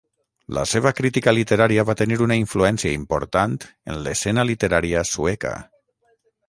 La seva crítica literària va tenir una influència important en l'escena literària sueca.